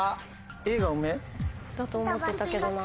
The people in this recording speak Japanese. Ａが梅？だと思ってたけどな。